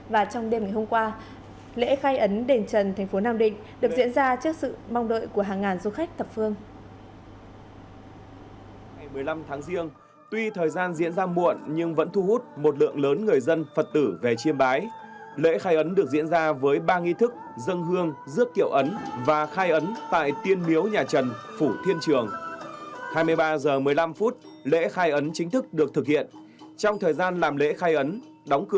và trong đêm ngày hôm qua lễ khai ấn đền trần thành phố nam định được diễn ra trước sự mong đợi của hàng ngàn du khách thập phương